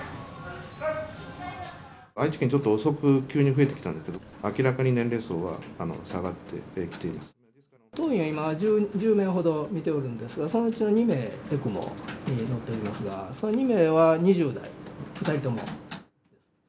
愛知県、ちょっと遅く急に増えてきたんだけど、明らかに年齢層は下がって当院は今、１０名ほど診ておるんですが、そのうちの２名、ＥＣＭＯになっておりますが、そのうちの２名は２０代、２人とも。